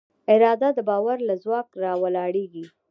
اراده د باور له ځواک راولاړېږي.